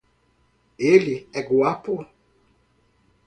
Ele é guapo